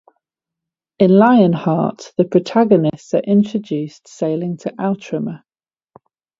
In "Lionheart", the protagonists are introduced sailing to Outremer.